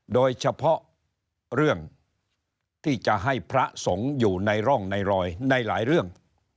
โดยเฉพาะเรื่องที่จะให้พระสงฆ์อยู่ในร่องในรอยในหลายเรื่อง